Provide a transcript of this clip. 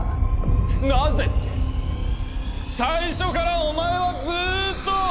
なぜって最初からお前はずっと。